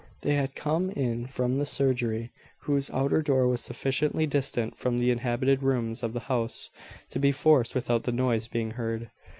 They had come in from the surgery, whose outer door was sufficiently distant from the inhabited rooms of the house to be forced without the noise being heard.